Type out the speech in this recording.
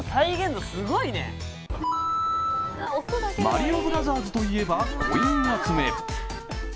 マリオブラザーズといえばコイン集め。